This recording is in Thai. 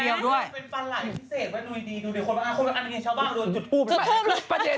เป็นปลาไหล่พิเศษดูดีคนละอันนี้ชาวบ้างเลย